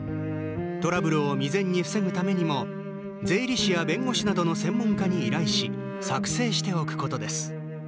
トラブルを未然に防ぐためにも税理士や弁護士などの専門家に依頼し作成しておくことです。